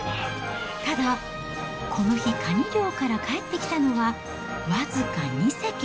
ただ、この日、カニ漁から帰ってきたのは、僅か２隻。